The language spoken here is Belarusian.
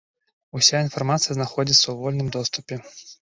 Уся інфармацыя знаходзіцца ў вольным доступе.